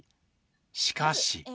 しかし。